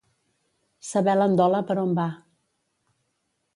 Saber l'andola per on va.